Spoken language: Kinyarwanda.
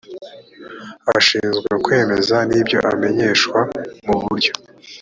ashinzwe kwemeza n ibyo amenyeshwa mu buryo